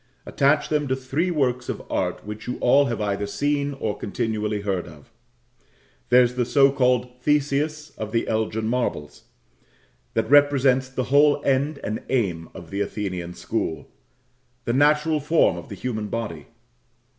Attach them to three works of art which you all have either seen or continually heard of. There's the (so called) "Theseus" of the Elgin marbles. That represents the whole end and aim of the Athenian school the natural form of the human body.